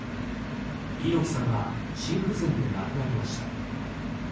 猪木さんは心不全で亡くなりました。